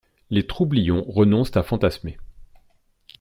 Les trublions renoncent à fantasmer.